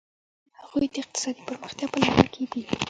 هغوی د اقتصادي پرمختیا په لټه کې دي.